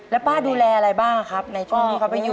แล้วป้าดูแลอะไรบ้างครับในช่วงที่เขาไปอยู่